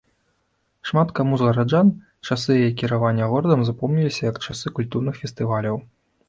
Шмат каму з гараджан часы яе кіравання горадам запомніліся як часы культурных фестываляў.